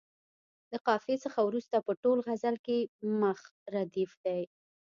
د قافیې څخه وروسته په ټول غزل کې مخ ردیف دی.